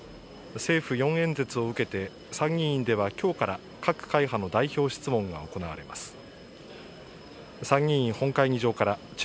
参議院ではきょうから各会派の代表質問が行われます。